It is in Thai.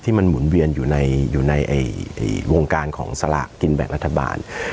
มันหมุนเวียนอยู่ในวงการของสลากกินแบ่งรัฐบาล